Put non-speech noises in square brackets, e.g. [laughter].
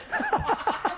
ハハハ [laughs]